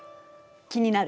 気になる？